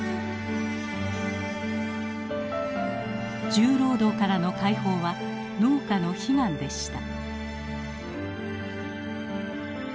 重労働からの解放は農家の悲願でした。